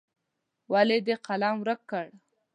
ولې دې قلم ورک کړ.